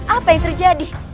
apa yang terjadi